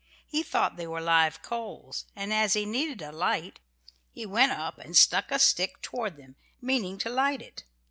He thought they were live coals, and as he needed a light he went up and stuck a stick toward them, meaning to light it.